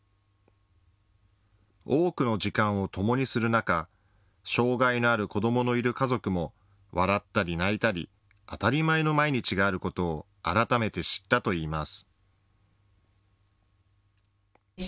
多くの時間を共にする中、障害のある子どものいる家族も笑ったり泣いたり、当たり前の毎日があることを改めて知ったといいます。